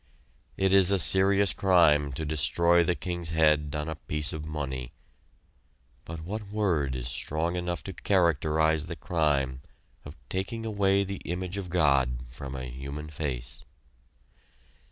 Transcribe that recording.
It is a serious crime to destroy the king's head on a piece of money; but what word is strong enough to characterize the crime of taking away the image of God from a human face!